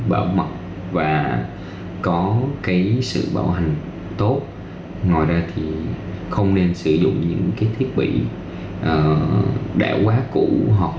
bảo mật và có cái sự bảo hành tốt ngoài ra thì không nên sử dụng những cái thiết bị đẻo quá cũ họ